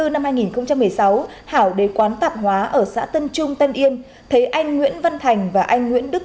năm hai nghìn một mươi sáu hảo đến quán tạp hóa ở xã tân trung tân yên thấy anh nguyễn văn thành và anh nguyễn đức